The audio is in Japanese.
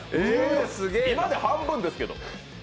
今で半分ですけど。